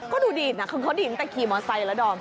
ก็ดูดีดน่ะเขาเขาดีดตั้งแต่ขี่มอเซอร์ไซด์ละดอม